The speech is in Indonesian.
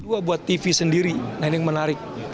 dua buat tv sendiri nah ini yang menarik